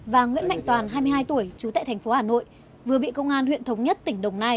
và nguyễn mạnh toàn hai mươi hai tuổi trú tại thành phố hà nội